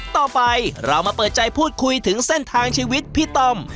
ต่อไปเรามาเปิดใจพูดคุยถึงเส้นทางชีวิตพี่ต้อม